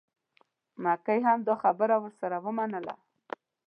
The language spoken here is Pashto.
مکۍ هم دا خبره ورسره ومنله.